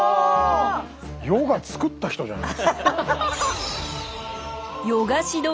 ヨガ作った人じゃない？